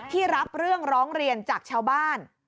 รับเรื่องร้องเรียนจากชาวบ้าน